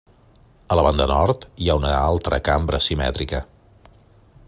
A la banda nord, hi ha una altra cambra simètrica.